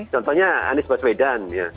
contohnya anies baswedan